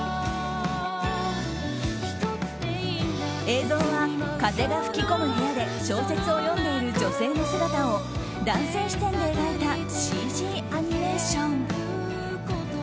映像は風が吹き込む部屋で小説を読んでいる女性の姿を男性視点で描いたＣＧアニメーション。